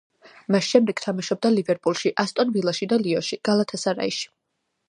მას შემდეგ თამაშობდა „ლივერპულში“, „ასტონ ვილაში“ და „ლიონში“, „გალათასარაიში“.